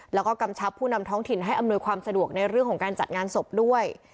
แล้วก็กำชับผู้นำท้องถิ่นให้อำนวยความสะดวกในเรื่องของการจัดงานศพด้วย